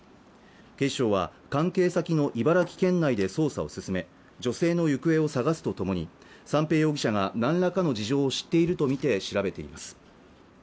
警視庁は関係先の茨城県内で捜査を進め女性の行方を捜すとともに三瓶容疑者が何らかの事情を知っているとみて調べています